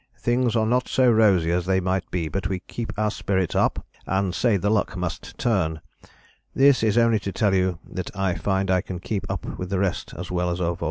Things are not so rosy as they might be, but we keep our spirits up and say the luck must turn. This is only to tell you that I find I can keep up with the rest as well as of old." [Illustration: MOUNT F.